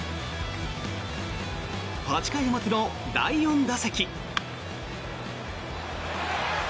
８回表の第４打席。